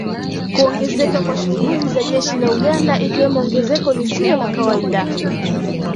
Kuongezeka kwa shughuli za jeshi la Uganda ikiwemo ongezeko lisilo la kawaida